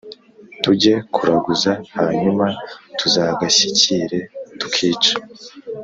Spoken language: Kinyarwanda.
tujye kuraguza, hanyuma tuzagashyikire tukice